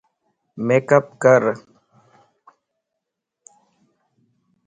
ميڪ اپ ڪر